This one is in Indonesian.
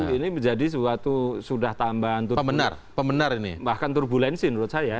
ini menjadi suatu sudah tambahan bahkan turbulensi menurut saya